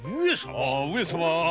上様！